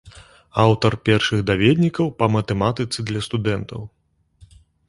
Аўтар першых даведнікаў па матэматыцы для студэнтаў.